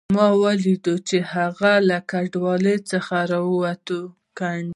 ما ولیدله چې هغه له ګودال څخه راووتله